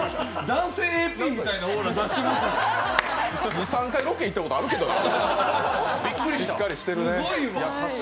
２３回、ロケ行ったことあるけどね。